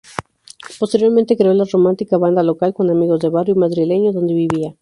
Posteriormente, creó La Romántica Banda Local con amigos del barrio madrileño donde vivía.